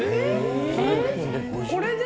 これで？